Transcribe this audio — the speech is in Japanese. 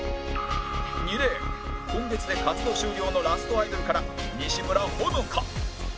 ２レーン今月で活動終了のラストアイドルから西村歩乃果